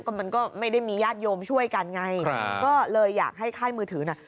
ก็มันก็ไม่ได้มีญาติโยมช่วยกันไงก็เลยอยากให้ค่ายมือถือน่ะ